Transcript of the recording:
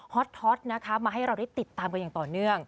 ฮอตนะคะมาให้เราได้ติดตามกันอย่างต่อเนื่อง